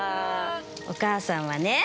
お母さんはね